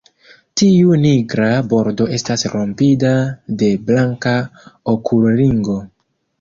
Tiu nigra bordo estas rompita de blanka okulringo.